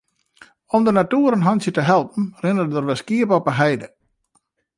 Om de natoer in hantsje te helpen rinne der wer skiep op de heide.